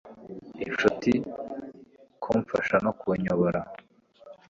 Inshuti kumfasha no kunyobora